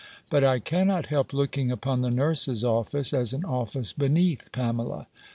But I cannot help looking upon the nurse's office, as an office beneath Pamela.